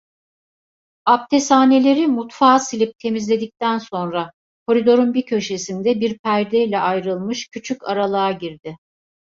Apteshaneleri, mutfağı silip temizledikten sonra, koridorun bir köşesinde bir perdeyle ayrılmış küçük aralığa girdi.